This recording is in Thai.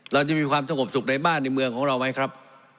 เราจะมีความสงบสุขในบ้านในเมืองของเราไหมครับ